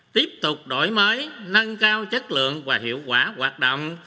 tiếp tục đổi mới nâng cao chất lượng và hiệu quả hoạt động